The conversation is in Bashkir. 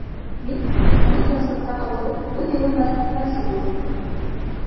Мин, уны тыныслыҡта ҡалдырып, үҙ юлым менән китмәксе булдым.